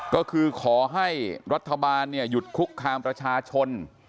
ก็คือขอให้รัฐบาลหยุดคุกคามประชาชน